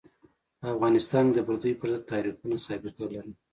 په افغانستان کې د پرديو پر ضد تحریکونه سابقه لري.